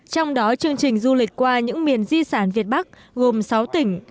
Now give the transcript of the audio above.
trong đó chương trình du lịch qua những miền di sản việt bắc gồm sáu tỉnh